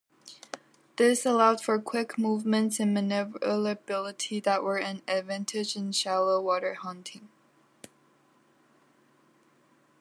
This allowed for quick movements and maneuverability that were an advantage in shallow-water hunting.